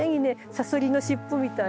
サソリの尻尾みたいに。